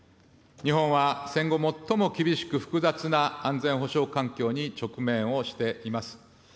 日本は、戦後最も厳しく複雑な安全保障環境に直面をしています。